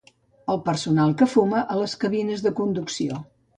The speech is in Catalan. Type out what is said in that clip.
El personal que fuma a les cabines de conducció.